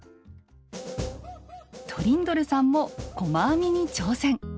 トリンドルさんも細編みに挑戦！